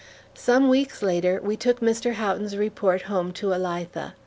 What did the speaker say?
Some weeks later, we took Mr. Houghton's report home to Elitha.